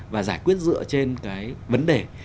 và giải quyết dựa trên cái vấn đề